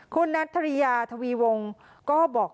คุณณัทรรียาธวีวงศ์ก็บอก